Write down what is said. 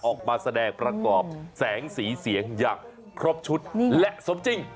ออกมาแสดงประกอบแสงสีเสียงอย่างครบชุดและสมจริง